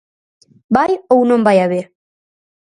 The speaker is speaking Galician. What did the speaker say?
¿Vai ou non vai haber?